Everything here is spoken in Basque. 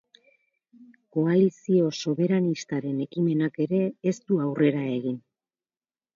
Koalizio soberanistaren ekimenak ere ez du aurrera egin.